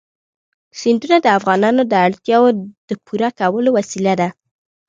سیندونه د افغانانو د اړتیاوو د پوره کولو وسیله ده.